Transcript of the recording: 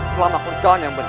selama perjalanan yang benar